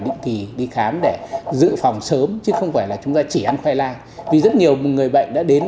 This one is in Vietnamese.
định kỳ đi khám để dự phòng sớm chứ không phải là chúng ta chỉ ăn khoai lang vì rất nhiều người bệnh đã đến